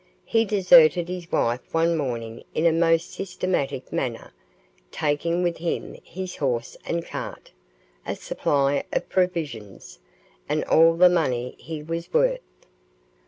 He deserted his wife one morning in a most systematic manner, taking with him his horse and cart, a supply of provisions, and all the money he was worth.